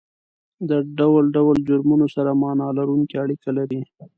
د ډول ډول جرمونو سره معنا لرونکې اړیکه لري